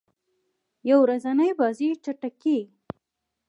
یو ورځنۍ بازۍ چټکي يي.